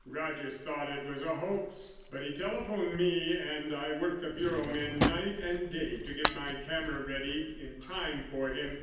Rogers thought it was a hoax, but he telephoned me and I worked the Bureau men night and day to get my camera ready in time for him.